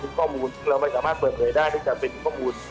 ทุกข้อมูลเราไม่สามารถเปิดเผยได้ที่จะเป็นทุกข้อมูล